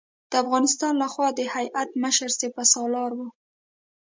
د افغانستان له خوا د هیات مشر سپه سالار و.